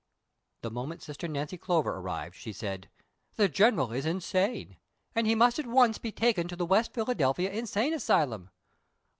The moment sister Nancy Clover arrived, she said :" The general is insane, and he must at once be taken to the ATest Philadelphia Insane Asylum."